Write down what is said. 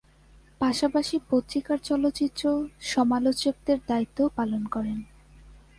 পাশাপাশি পত্রিকার চলচ্চিত্র সমালোচকের দায়িত্বও পালন করেন।